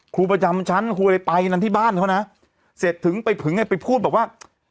ครูประจำชั้นครูไปไปนั่นที่บ้านเขานะเสร็จถึงไปผึ้งให้ไปพูดแบบว่า